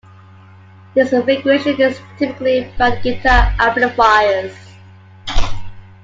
This configuration is typically found in guitar amplifiers.